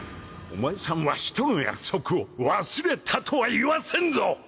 お前さんわしとの約束を忘れたとは言わせんぞ！